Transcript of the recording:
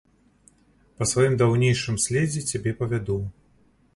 Па сваім даўнейшым следзе цябе павяду.